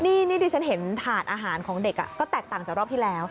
นี่ดิฉันเห็นถาดอาหารของเด็กก็แตกต่างจากรอบที่แล้ว